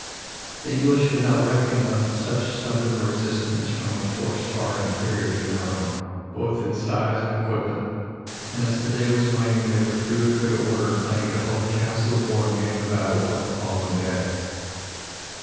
The English had not reckoned on such stubborn resistance from a force far inferior to their own, both in size and equipment, and as the day was waning they withdrew in good order, planning to hold a council of war and gain the battle on the following day.